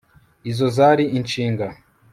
izo zari inshinga